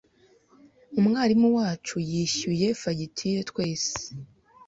Umwarimu wacu yishyuye fagitire twese.